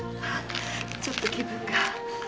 ちょっと気分が。